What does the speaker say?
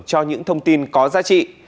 cho những thông tin có giá trị